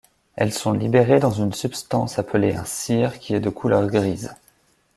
Elles sont libérés dans une substance appelée un cirrhe qui est de couleur grise.